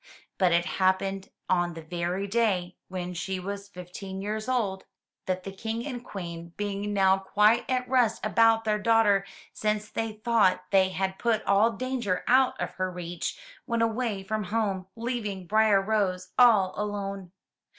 But it happened on the very day when she was fifteen years old, that the King and Queen, being now quite at rest about their daughter, since they thought they had put all danger out of her reach, went away from home, leaving Briar rose all alone.